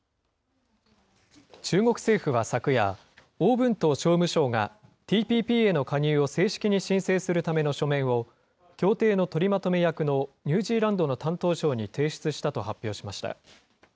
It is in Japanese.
中国政府は昨夜、王文涛商務相がＴＰＰへの加入を正式に申請するための書面を、協定の取りまとめ役のニュージーランドの担当相に提出したと発表しました。